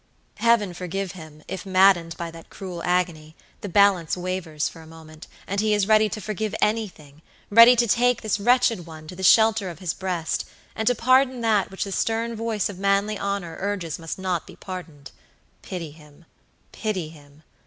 Heaven forgive him, if maddened by that cruel agony, the balance wavers for a moment, and he is ready to forgive anything; ready to take this wretched one to the shelter of his breast, and to pardon that which the stern voice of manly honor urges must not be pardoned. Pity him, pity him!